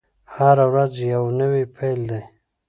هره ورځ یوه نوې پیل دی.